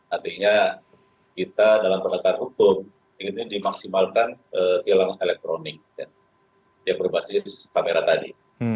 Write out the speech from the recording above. artinya kita dalam pendekatan hukum ini dimaksimalkan tilang elektronik yang berbasis kamera tadi